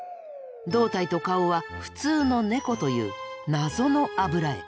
胴体と顔は普通のネコという謎の油絵。